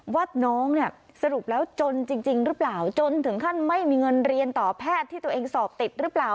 ว่าน้องเนี่ยสรุปแล้วจนจริงหรือเปล่าจนถึงขั้นไม่มีเงินเรียนต่อแพทย์ที่ตัวเองสอบติดหรือเปล่า